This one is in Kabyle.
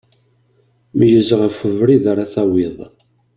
Meyyez ɣef webrid ara tawiḍ.